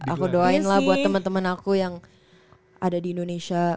aku doain lah buat teman teman aku yang ada di indonesia